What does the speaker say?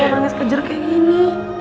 gak pengen kejar kayak gini